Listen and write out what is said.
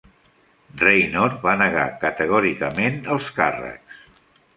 Raynor va negar categòricament els càrrecs.